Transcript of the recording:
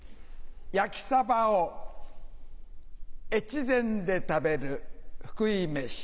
焼きサバを越前で食べる福井飯。